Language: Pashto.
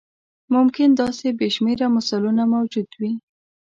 ممکن داسې بې شمېره مثالونه موجود وي.